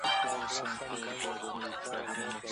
محیط مو د پرمختګ لپاره چمتو کړئ.